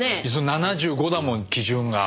７５だもん基準が。